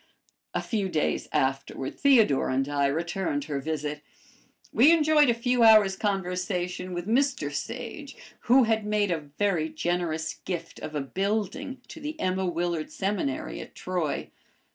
A few days afterward Theodore and I returned her visit. We enjoyed a few hours' conversation with Mr Sage, who had made a very generous gift of a building to the Emma Willard Seminary at Troy.